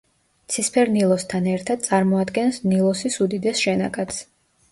ცისფერ ნილოსთან ერთად წარმოადგენს ნილოსის უდიდეს შენაკადს.